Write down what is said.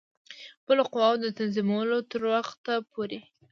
خپلو قواوو د تنظیمولو تر وخته پوري.